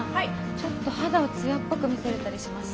ちょっと肌を艶っぽく見せれたりします？